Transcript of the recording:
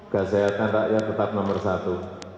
kesehatan rakyat tetap nomor satu